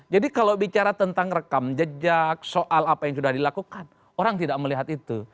jadi kalau bicara tentang rekam jejak soal apa yang sudah dilakukan orang tidak melihat itu